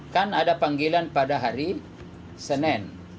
kan ada panggilan pada hari senin